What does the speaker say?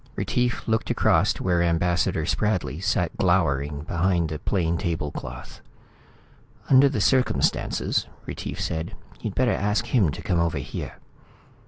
Retief looked across to where Ambassador Spradley sat glowering behind the plain tablecloth. "Under the circumstances," Retief said, "you'd better ask him to come over here."